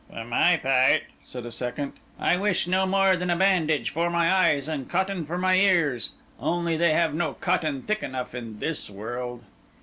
"For my part," said a second, "I wish no more than a bandage for my eyes and cotton for my ears. Only they have no cotton thick enough in this world."